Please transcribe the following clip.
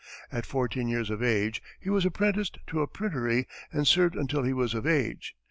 At fourteen years of age, he was apprenticed to a printery and served until he was of age.